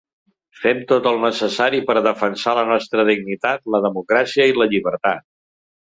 Fem tot el necessari per defensar la nostra dignitat, la democràcia i la llibertat.